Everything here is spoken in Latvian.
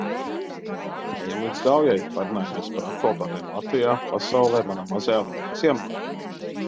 Ejam līdz Gaujai, parunājamies par aktualitātēm Latvijā, pasaulē, manā mazajā lauku ciemā.